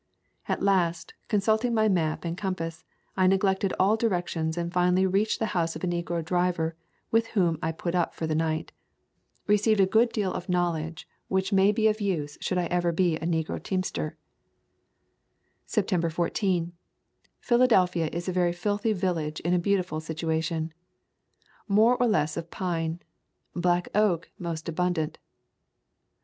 At last, consulting my map and com pass, I neglected all directions and finally reached the house of a negro driver, with whom I put up for the night. Received a good deal of [ 32 ] The Cumberland Mountains knowledge which may be of use should I ever be a negro teamster. September 14. Philadelphia is a very filthy village in a beautiful situation. More or less of pine. Black oak most abundant.